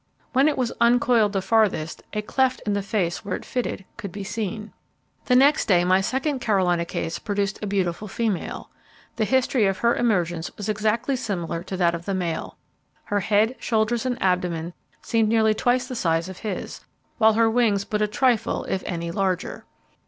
When it was uncoiled the farthest, a cleft in the face where it fitted could be seen. The next day my second Carolina case produced a beautiful female. The history of her emergence was exactly similar to that of the male. Her head, shoulders, and abdomen seemed nearly twice the size of his, while her wings but a trifle, if any larger.